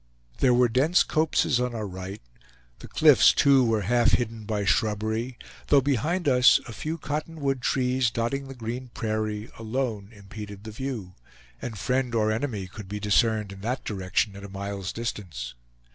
There were dense copses on our right; the cliffs, too, were half hidden by shrubbery, though behind us a few cotton wood trees, dotting the green prairie, alone impeded the view, and friend or enemy could be discerned in that direction at a mile's distance.